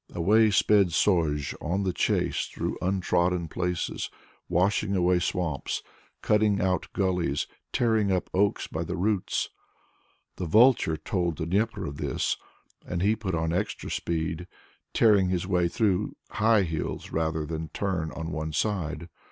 Away sped Sozh on the chase, through untrodden places, washing away swamps, cutting out gullies, tearing up oaks by the roots. The Vulture told Dnieper of this, and he put on extra speed, tearing his way through high hills rather than turn on one side.